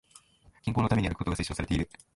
健康のために歩くことが推奨されている